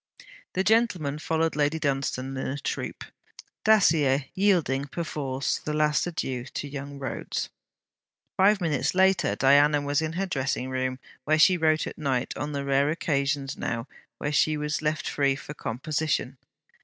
The gentlemen followed Lady Dunstane in a troop, Dacier yielding perforce the last adieu to young Rhodes. Five minutes later Diana was in her dressing room, where she wrote at night, on the rare occasions now when she was left free for composition.